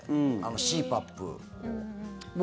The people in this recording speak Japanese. ＣＰＡＰを。